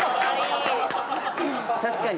確かに。